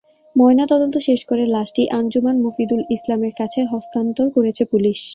ময়নাতদন্ত শেষ করে লাশটি আঞ্জুমান মফিদুল ইসলামের কাছে হস্তান্তর করেছে পুলিশ।